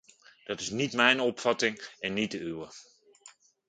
Dat is niet mijn opvatting en niet de uwe.